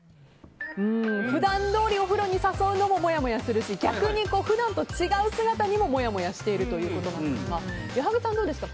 普段どおりお風呂に誘うのももやもやするし逆に、普段と違う姿にももやもやしているということですが矢作さん、どうですか。